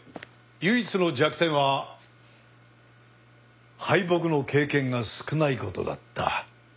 唯一の弱点は敗北の経験が少ない事だった。